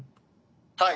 はい。